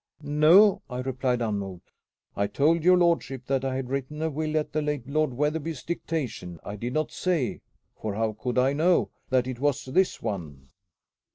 "No," I replied unmoved. "I told your lordship that I had written a will at the late Lord Wetherby's dictation. I did not say for how could I know? that it was this one."